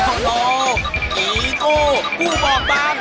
โอโหโอโหอีกูผู้บอกบ้า